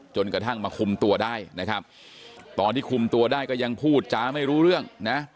จนกระทั่งมาคุมตัวได้นะครับตอนที่คุมตัวได้ก็ยังพูดจ้าไม่รู้เรื่องนะ